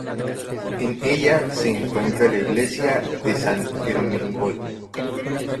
En ella se encuentra la iglesia de San Ermengol.